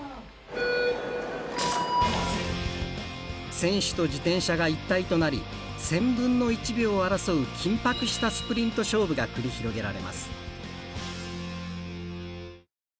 選手と自転車が一体となり１０００分の１秒を争う緊迫したスプリント勝負が繰り広げられます。